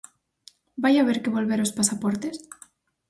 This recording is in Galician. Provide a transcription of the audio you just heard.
Vai haber que volver aos pasaportes?